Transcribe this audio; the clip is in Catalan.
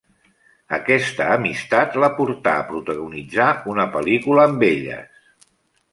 Aquesta amistat la portà a protagonitzar una pel·lícula amb elles.